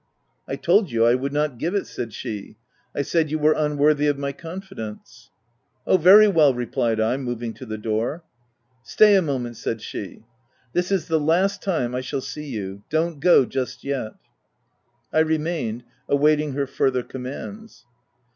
" I told you I would not give it/' said she. " I said you were unworthy of my confidence/ 1 u Oh, very well/' replied I, moving to the door. " Stay a moment,'* said she. "This is the last time I shall see you : don't go just yet." I remained, awaiting her further commands.